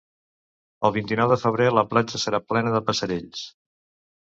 El vint-i-nou de febrer la platja serà plena de passerells.